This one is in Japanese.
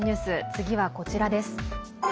次はこちらです。